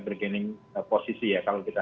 bergening posisi kalau kita